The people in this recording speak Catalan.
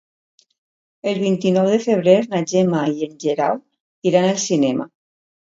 El vint-i-nou de febrer na Gemma i en Guerau iran al cinema.